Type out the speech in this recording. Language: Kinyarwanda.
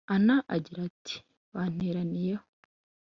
Anna agira ati “banteraniyeho”